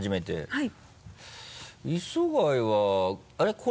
はい。